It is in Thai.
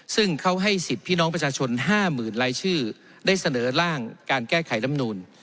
ซึ่งเขาให้สิทธิ์พี่น้องประชาชน๕๐๐๐รายชื่อได้เสนอร่างการแก้ไขลำนูน